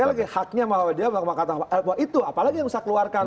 sekali lagi haknya dia bahwa itu apalagi yang bisa keluarkan